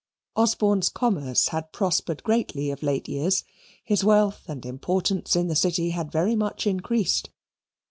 Osborne's commerce had prospered greatly of late years. His wealth and importance in the City had very much increased.